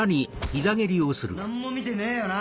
何も見てねえよな？